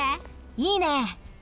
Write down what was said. いいね。